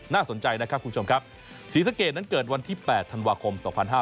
น่าสนใจนะครับคุณผู้ชมครับศรีสะเกดนั้นเกิดวันที่๘ธันวาคม๒๕๕๙